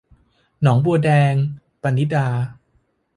หนองบัวแดง - ปณิดา